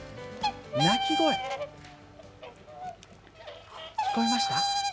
鳴き声聞こえました？